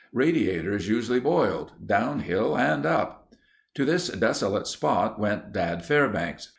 Radiators usually boiled down hill and up. To this desolate spot went Dad Fairbanks.